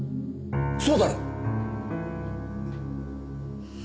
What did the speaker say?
そうだろ？